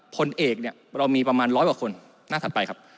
พลเอกเนี่ยเรามีประมาณร้อยกว่าคนหน้าถัดไปครับ